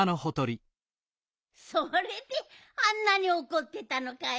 それであんなにおこってたのかい。